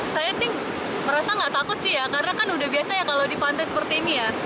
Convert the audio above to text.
saya sih merasa nggak takut sih ya karena kan udah biasa ya kalau di pantai seperti ini ya